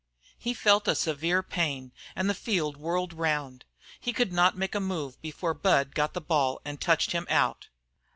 He felt a severe pain, and the field whirled round. He could not make a move before Budd got the ball and touched him out.